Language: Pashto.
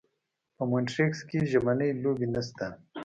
په مونټریکس کې ژمنۍ لوبې نشته.